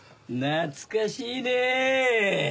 懐かしいねえ！